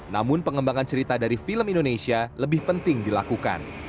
namun pengembangan cerita dari film indonesia lebih penting dilakukan